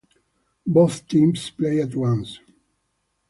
Both teams play at once.